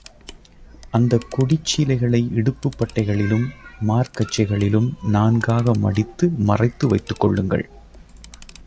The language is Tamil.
அந்தக் கொடிச் சீலைகளை இடுப்புப் பட்டைகளிலும் மார்க்கச்சைகளிலும் நான்காக மடித்து மறைத்து வைத்துக் கொள்ளுங்கள்.